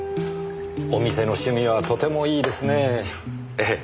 お店の趣味はとてもいいですねえ。